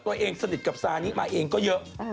ตัวเองสนิทกับซานิมาเองก็เยอะ